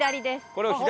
これを左。